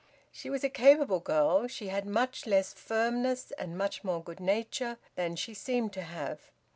She was a capable girl; she had much less firmness, and much more good nature, than she seemed to have.